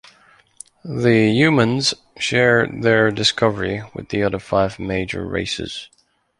The humans share their discovery with the other five major races.